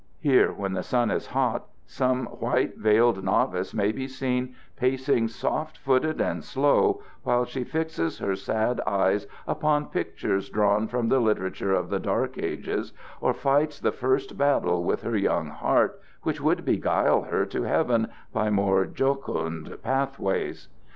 Here, when the sun is hot, some white veiled novice may be seen pacing soft footed and slow, while she fixes her sad eyes upon pictures drawn from the literature of the Dark Ages, or fights the first battle with her young heart, which would beguile her to heaven by more jocund path ways.